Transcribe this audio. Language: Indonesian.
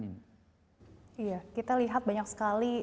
iya kita lihat banyak sekali